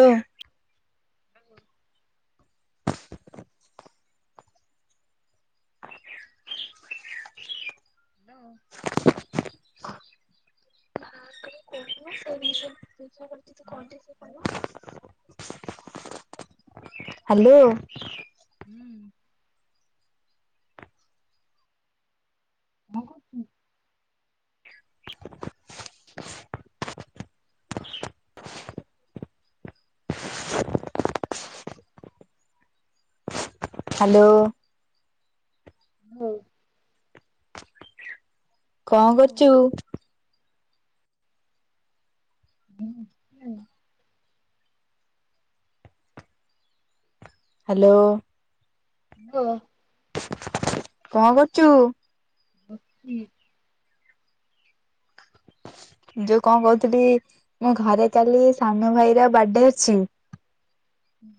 ଜ୍ଞା hello. Hello. [unintelligible] Hello. କଣ କରୁଚ? ହ୍ୟାଲୋ। ହାଲୋ। କଣ କରୁଚୁ? [unintelligible] ହ୍ୟାଲୋ। ହାଲୋ। କଣ କରୁଚୁ? ବସଚି। ଯୋଉ କଣ କହୁଥିଲି ମୁଁ ଘରେ କାଲି ସାନ ଭାଇର ବଡେ ଅଛି। ହୁଁ।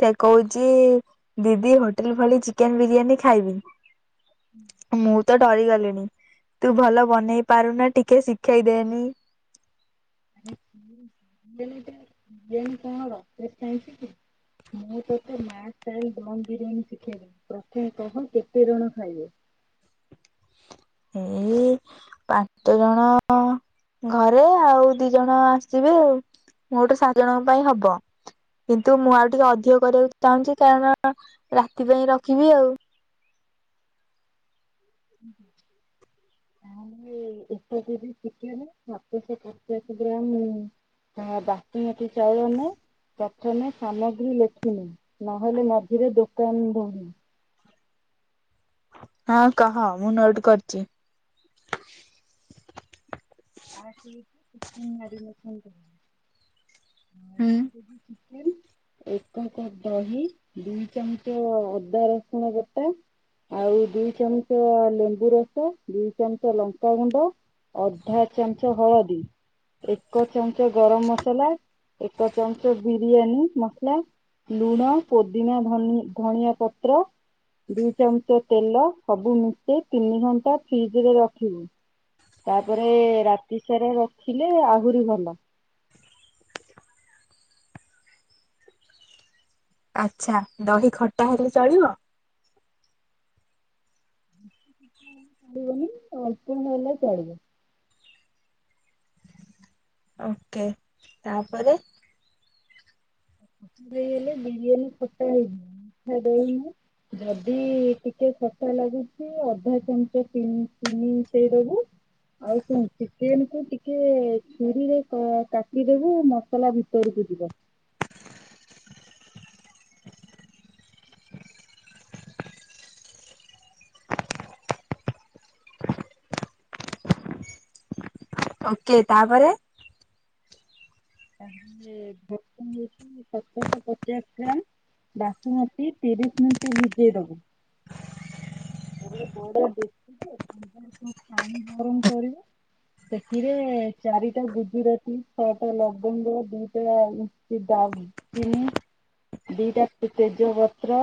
ସେ କହୁଛି ଦିଦି ହୋଟେଲ ଭଳି ଚିକେନ ବିରିୟାନୀ ଖାଇବି। ମୁଁ ତ ଡରିଗଲିଣି ତୁ ଭଲ ବନେଇ ପାରୁନା ଟିକେ ଶିଖେଇ ଦେନି। [unintelligible] ବିରିୟାନୀ କଣ ରକେଟ ଷ୍ଟାଇଲ ସିକିଲି ମୁଁ ତତେ ମା ଷ୍ଟାଇଲ ଦମ୍ ବିରିୟାନୀ ଶିଖେଇଦେବି ପ୍ରଥମେ କହ କେତେ ଜଣ ଖାଇବେ? ଏଇ ପାଞ୍ଚ ଜଣ ଘରେ ଆଉ ଦି ଜଣ ଆସିଯିବେ ଆଉ ମୁଁ ମୋଟ୍ ସାତ ଜଣଙ୍କ ପାଇଁ ହବ କିନ୍ତୁ ମୁଁ ଆଉ ଟିକେ ଅଧିକ କରିବାକୁ ଚାହୁଁଚି କାରଣ ରାତି ପାଇଁ ରଖିବି ଆଉ। [unintelligible] ସେ ଏକ କେଜି ଚିକେନ ସାତଶହ ପଚାଶ ଗ୍ରାମ ବାସୁମତୀ ଚାଉଳ ନେ ପ୍ରଥମେ ସାମଗ୍ରୀ ଲେଖିନେ ନହେଲେ ମଝିରେ ଦୋକାନ ଦୌଡ଼ିବୁ। ହଁ କହ ମୁଁ ନୋଟ୍ କରୁଚି। ଫାଷ୍ଟ ରେ ଚିକେନ ମ୍ୟାରିନେସନ କରିବୁ। ହଁ ହୁଁ ସେ ଯଦି ଚି ଏକ କପ୍ ଦହି ଦି ଚାମଚ ଅଦା ରସୁଣ ବଟା ଆଉ ଦିଇ ଚାମଚ ଲେମ୍ବୁ ରସ ଦିଇ ଚାମଚ ଲଙ୍କାଗୁଣ୍ଡ ଅଧା ଏକ ଚାମଚ ହଳଦୀ ଏକ ଚାମଚ ଗରମ ମସଲା ଏକ ଚାମଚ ବିରିୟାନୀ ମସଲା ଲୁଣ ପୋଦିନା ଧନି ଧନଆ ପତ୍ର ଦୁଇ ଚାମଚ ତେଲ ସବୁ ମିଶେଇ ତିନି ଘଣ୍ଟା ଫ୍ରିଜ ରେ ରଖିବୁ ତାପରେ ରାତି ସାରା ରଖିଲେ ଆହୁରି ଭଲ। ଆଛା ଦହି ଖଟା ହେଲେ ଚଳିବ? ବିରିୟାନୀ ଅଳ୍ପ ହେଲେ ଚଳିବ। ଓକେ ତାପରେ ଦେଇଗଲେ ବିରିୟାନୀ ଖଟା ହେଇଯିବ ମିଠା ଦନୁ ଯଦି ଟିକେ ଖଟା ଲାଗୁଛି ଅଧା ଚାମଚ ଚିନି ମିଶେଇଦବୁ ଆଉ କଣ ଚିକେନ କୁ ଟିକେ ଛୁରୀରେ କାଟିଦବୁ ମସଲା ଭିତରକୁ ଯିବ। ଓକେ ତାପରେ [inaudible] ସତରଶହ ପଚାଶ ଗ୍ରାମ ବାସୁମତି ତିରିଶ ମିନିଟ ଭିଜେଇ ଦବୁ ପାଣି ଗର କରିବ ସେଥିରେ ଚାରିଟା ଗୁଜୁରାତି ଛଅଟା ଲ ଙ୍ଗ ଦିଟା ଡାଲଚିନି ଦିଟା ତେଜପତ୍ର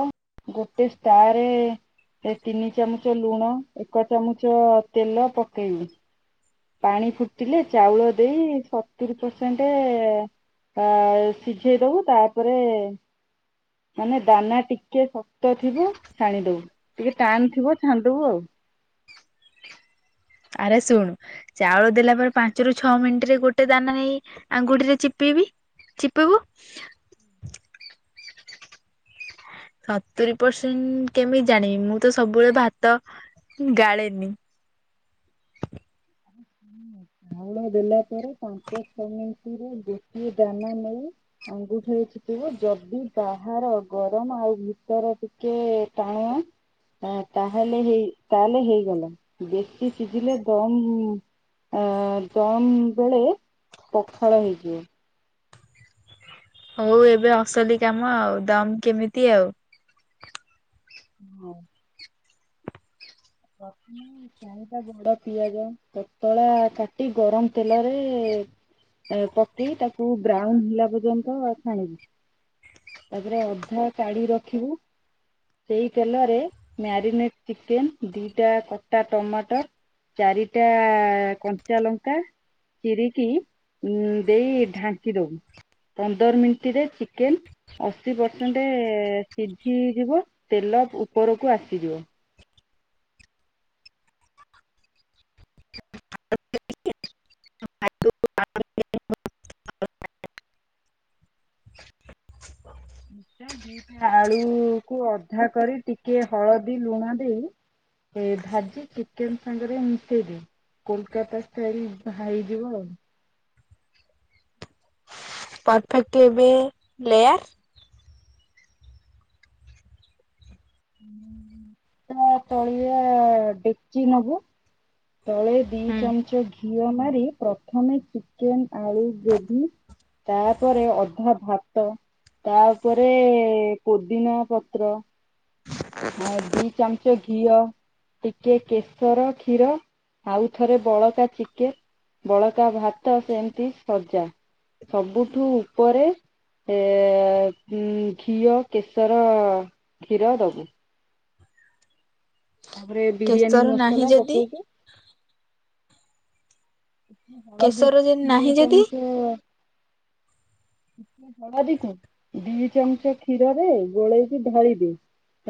ଗୋଟେ ଷ୍ଟାରେ ତିନି ଚାମଚ ଲୁଣ ଏକ ଚାମଚ ତେଲ ପକେଇବି ପାଣି ଫୁଟିଲେ ଚାଉଳ ଦେଇ ସତୁରିୀ ପରସେଣ୍ଟ ସିଝେଇ ଦବୁ ତାପରେ ମାନେ ଦାନା ଟିକେ ଶକ୍ତ ଥିବ ଛାଣିଦବୁ ଟିକେ ଟଣ ଥିବ ଛାନ୍ଦିବୁ ଆଉ ଆରେ ଶୁଣୁ ଚାଉଳ ଦେଲା ପରେ ପାଞ୍ଚ ରରୁ ଛଅ ମିନିଟ ରେ ଗୋଟେ ଦାନା ନେଇ ଆଙ୍ଗୁଠିରେ ଚିପିବି ଚିପିବୁ ସତୁରି ପରସେଣ୍ଟ କେମିତି ଜାଣିବି ମୁଁ ତ ସବୁବେଳେ ଭାତ ଗାଳେନି ଆଳ [inaudible] ଦେଲା ପରେ ପାଞ୍ଚ ଛଅ ମିନିଟରେ ବେଶି ଦାନା ନେଇ ଆଙ୍ଗୁଠି ଚିପିବୁ ଯଦି ବାହାର ଗରମ ଆଉ ଭିତର ଟିକେ ଟାଣ ତାହେଲେ ହେଇ ତାହେଲେ ହେଇଗଲା ବେଶୀ ସିଝିଲେ ଦମ୍ କମ୍ ବେଳେ ପଖାଳ ହେଇଯିବ ହଉ ଏବେ ଅସଲି କାମ ଆଉ ଦମ କେମିତି ଆଉ? ହଁ [inaudible] ଚାଣି ଟା ବଡ ପିଆଜ ପତଳା କାଟି ଗରମ ତେଲରେ ପକେଇ ତାକୁ ବ୍ରାଉନ ହେଲା ପର୍ଯ୍ୟନ୍ତ ଛାଣିବୁ ତାପରେ ଅଧା କାଢି ରଖିବୁ ସେଇ ତେଲରେ ମ୍ୟାରିନେଟ ଚିକେନ ଦିଟା କଟା ଟମାଟର ଚାରିଟା କଞ୍ଚା ଲଙ୍କା ଚିରିକି ଦେଇ ଢାଙ୍କି ଦବୁ ପନ୍ଦର ମିନିଟରେ ଚିକେନ ଅଶୀ ପରସେଣ୍ଟେ ସିଝିଯିବ ତେଲ ଉପରକୁ ଆସିଯିବ। ଦିଟା ଆଳୁ କୁ ଅଧା କରି ଟିକେ ହଳଦୀ ଲୁଣ ଦେଇ। ଭାଜି ଚିକେନ ସାଙ୍ଗରେ ମିଶେଇଦେ କୋଲକାତା ଷ୍ଟାଇଲ ହେଇଯିବ ଆଉ। ପରଫେକ୍ଟ ଏବେ ଲେୟାର୍। [inaudible] ଚଳିବା ଡେକଚି ନବୁ। ତଳେ ଦିଇ ହୁଁ ଚାମଚ ଘି ଘିଅ ମାରି ପ୍ରଥମେ ଚିକେନ, ଆଳୁ, ଗ୍ରେଭି, ତାପରେ ଅଧା ଭାତ ତାପରେ ପୋଦିନା ପତ୍ର। ଆ ଦି ଚାମଚ ଘିଅ ଟିକେ କେଶର କ୍ଷୀର। ଆଉଥରେ ବଳକା ଚିକେନ ବଳକା ଭାତ ସେମିତି ସଜା। ସବୁଠୁ ଉପରେ ଏ ଉଁ ଘିଅ କେଶର କ୍ଷୀର ଦବୁ। ତାପରେ ବିରିୟାନୀ କେଶର ନାହିଁ ମସଲା ଯଦି ପକେଇକି। ହଳଦୀ କେଶର କୁ ଯଦି ଦୁଇ ନାହିଁ ଯଦି ଚାମଚ ହଳଦୀ କୁ ଦି ଚାମଚ କ୍ଷୀରରେ ଗୋଳେଇକି ଢାଳି ଦେ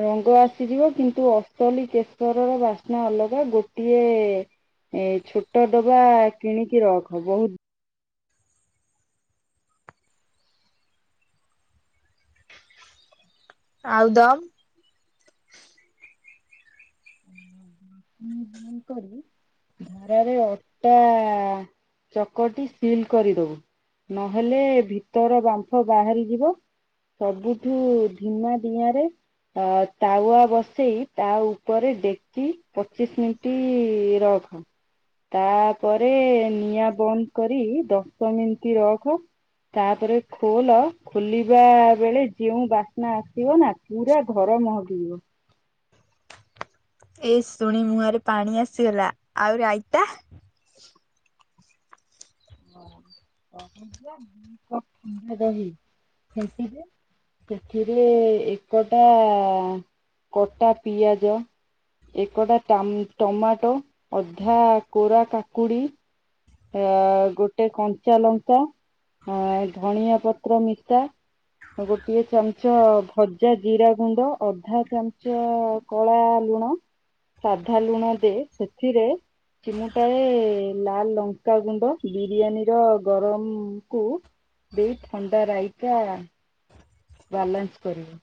ରଙ୍ଗ ଆସିଯିବ। କିନ୍ତୁ ଅସଲି କେଶରର ବାସ୍ନା ଅଲଗା। ଗୋଟିଏ ଛୋଟ ଡବା କିଣିକି ରଖ ବହୁତ ଆଉ ଦମ୍। ପାଣି ବନ୍ଦ କରି ଧାରାରେ ଅଟା ଚକଟି ସିଲ୍ କରିଦବୁ। ନହେଲେ ଭିତର ବାମ୍ଫ ବାହାରିଯିବ। ସବୁଠୁ ଧିମା ଦିଆଁରେ ତାୱା ବସେଇ। ତା ଉପରେ ଡେକଚି ପଚିଶ୍ ମିଣ୍ଟି ରଖ। ତାପରେ ନିଆଁ ବନ୍ଦ କରି। ଦଶ ମିଣ୍ଟି ରଖ ତାପରେ ଖୋଲ। ଖୋଲିବା ବେଳେ ଯେଉଁ ବାସ୍ନା ଆସିବ ନା। ପୁରା ଘର ମହକି [inaudible] ଏ ଶୁଣି ମୁହଁରେ ପାଣି ଆସିଗଲା। ଆଉ ରାଇତା। [inaudible] ଦହି ଫେଣ୍ଟି ଦେ। ସେଥିରେ ଏକଟା କଟା ପିଆଜ ଏକଟା ଟମାଟୋ ଅଧା କୋରା କାକୁଡି। ଆ ଗୋଟେ କଞ୍ଚା ଲଙ୍କା, ଆଁ ଧଣିଆ ପତ୍ର ମିଶା। ଗୋଟିଏ ଚାମଚ ଭଜା ଜିରା ଗୁଣ୍ଡ ଅଧା ଚାମଚ କଳା ଲୁଣ, ସାଧା ଲୁଣ ଦେ। ସେଥିରେ ଚିମୁଁଟା ଏ ଲାଲ ଲ ଲଙ୍କା ଗୁଣ୍ଡ ବିରିୟାନୀ ର ଗରମକୁ ଦେଇ ଥଣ୍ଡା ରାଇତା। ବାଲାନ୍ସ କରିବୁ।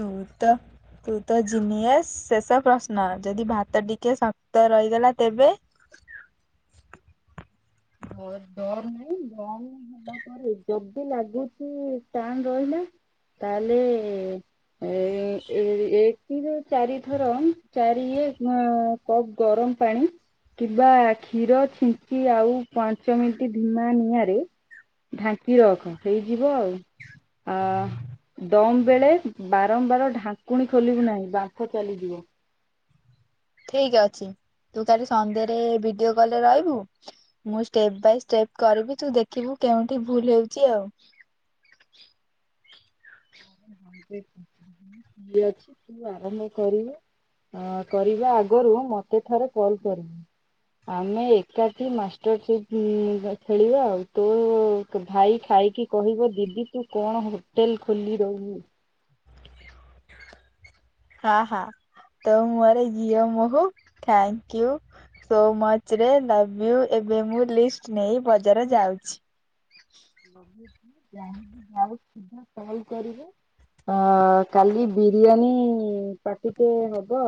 ତୁ ତ ତୁ ତ ଜିନିୟସ। ଶେଷ ପ୍ରଶ୍ନ ଯଦି ଭାତ ଟିକେ ଶକ୍ତ ରହିଗଲା ତେବେ? [inaudible] ଯଦି ଲାଗୁଚି ଟାଣ୍ ରହିଲା ତାହାଲେ ଏଇଟି ଚାରି ଥର। ଚାରି ଇଏ କପ୍ ଗରମ ପାଣି କିବା କ୍ଷୀର ଛିଚି ଆଉ ପାଞ୍ଚ ମିନିଟ ଧିମା ନିଆଁରେ ଢାଙ୍କି ରଖ ହେଇଯିବ ଆଉ। ଆ ଦମ ବେଳେ ବାରମ୍ବାର ଢାଙ୍କୁଣୀ ଖୋଲିବୁ ନାହିଁ। ବାମ୍ଫ ଚାଲିଯିବ। ଠିକ ଅଛି ତୁ କାଲି ସନ୍ଧ୍ୟାରେ ଭିଡିଓ କଲରେ ରହିବୁ। ମୁଁ ଷ୍ଟେପ ବାଇ ଷ୍ଟେପ କରିବି। ତୁ ଦେଖିବୁ କେଉଁଠି ଭୁଲ ହେଉଛି ଆଉ। ଇଏ ଅଛି ତୁ ଆରମ୍ଭ କରିବୁ। କରିବା ଆଗରୁ ମତେ ଥରେ କଲ କରିବୁ। ଆମେ ଏକାଠି ମାଷ୍ଟର ଚିପ ଖେଳିବା ଆଉ ତୋ ଭାଇ ଖାଇକି କହିବ ଦିଦି ତୁ କଣ ହୋଟେଲ ଖୋଲି [inaudible] ହଁ ହ ତ ମୁହଁ ରେ ଘିଅ, ମହୁ ଥାଙ୍କୟୁ ସୋ ମୋଚ ରେ ଲଭୟୁ। ଏବେ ମୁଁ ଲିଷ୍ଟ ନେଇ ବଜ଼ାର ଯାଉଛି। [inaudible] କାଲି ବିରିଆନି ପାର୍ଟି ଟେ ହବ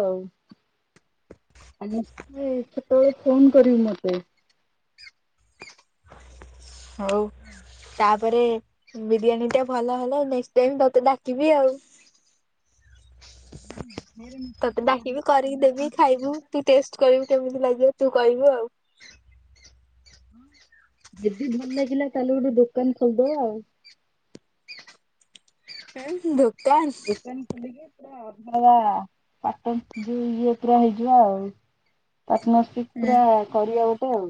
ଆଉ। ସେତେବେଳ ଫୋନ୍ କରିବୁ ମୋତେ। ହଉ ତା ତାପରେ ବିରିୟାନୀ ଟା ଭଲ ହେଲ ନେଷ୍ଟେ ଟାଇମ୍ ତତେ ଡାକିବି ଆଉ। ତତେ ଡାକିବି କରିକି ଦେବି ଖାଇବୁ। ତୁ ଟେଷ୍ଟ କରିବୁ କେମିତି ଲା ତୁ କହିବୁ ଆଉ। ଯଦି ଭଲ ଲାଗିଲା ତାହେଲେ ଗୋଟେ ଦୋକାନ ଖୋଲିଦବା ଆଉ। [inaudible] ଦୁକାନ ଖୁଲିକି। [inaudible] ପାର୍ଟନରସିପ ହୁଁ ପୁରା କରିବାକୁ। [inaudible]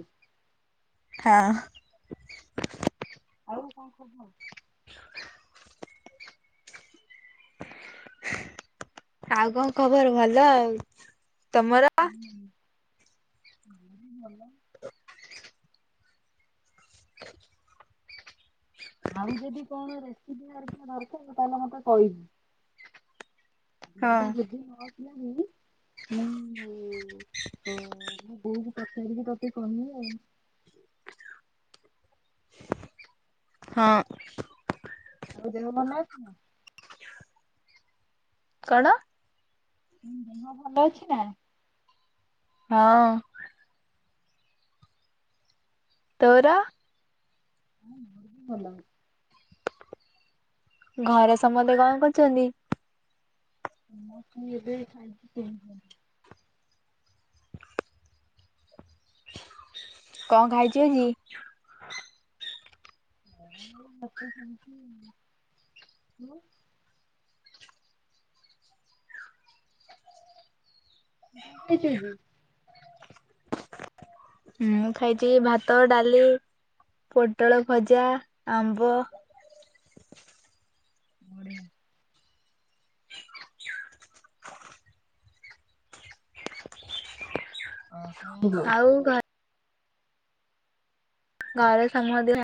ହଁ। [inaudible] ଆଉ କଣ ଖବ [inaudible] ଆଉ କଣ ଖବର ଭଲ ଆଉ। ତମର? ହୁଁ ଭଲ। [inaudible] ଆଉ ଯଦି କଣରେ କି ଦରକାର ତୁ ତାହେଲେ ମତେ କହିଵୁ। ହଁ [unintelligible] [unintelligible] ହଁ। ଆଉ ଦେହ ଭଲ ଅଛି ନା? କଣ? ହୁଁ ଦେହ ଭଲ ଅଛି ନା? ହଁ। ତୋର? ଭଲ। ଘରେ ସମସ୍ତେ କଣ କରୁଛନ୍ତି? [unintelligible] କଣ ଖାଇଛୁ ଆଜି? [unintelligible] [unintelligible] ହୁଁଁ ଖାଇଛି ଭାତ ଡାଲି ପୋଟଳ ଭଜା ଆମ୍ବ ବଢିଆ। ଅ ଆଉ ଘରେ ଘରେ ସମଦେ